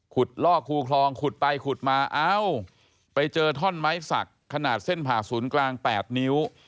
ล่อคูคลองขุดไปขุดมาเอ้าไปเจอท่อนไม้สักขนาดเส้นผ่าศูนย์กลาง๘นิ้ว